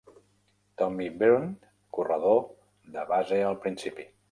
Tommy Byrne corredor de base al principi.